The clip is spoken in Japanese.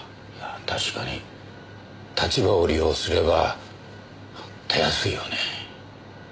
確かに立場を利用すればたやすいよね。